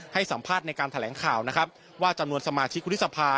ให้สัมภาษณ์ในการแถลงข่าวนะครับว่าจำนวนสมาชิกวุฒิสภา